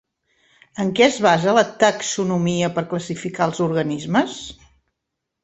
En què es basa la Taxonomia per classificar els organismes?